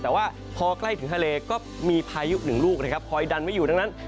แต่ว่าพอใกล้ถึงทะเลก็มีพายุหนึ่งลูกนะครับคอยดันไม่อยู่ดังนั้น